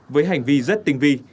với hành vi rất tinh vi